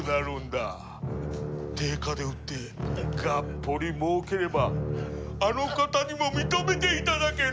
定価で売ってがっぽり儲ければあの方にも認めていただける。